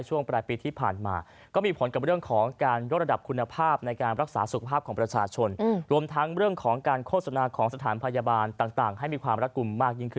จะมีประโยชน์คุณผู้ชมอย่างไรบ้าง